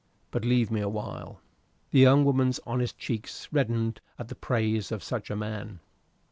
But leave me awhile." The young woman's honest cheeks reddened at the praise of such a man.